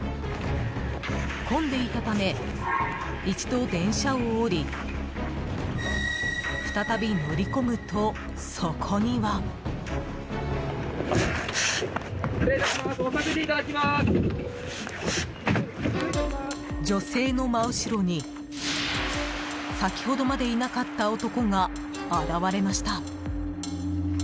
混んでいたため、一度電車を降り再び乗り込むと、そこには。女性の真後ろに先ほどまでいなかった男が現れました。